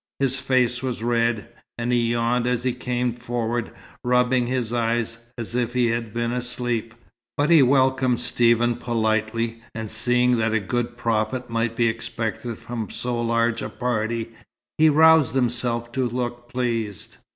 His face was red, and he yawned as he came forward, rubbing his eyes as if he had been asleep. But he welcomed Stephen politely, and seeing that a good profit might be expected from so large a party, he roused himself to look pleased.